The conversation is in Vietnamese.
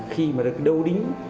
khi mà được đấu đính